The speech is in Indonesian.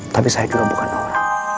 tapi saya juga bukan orang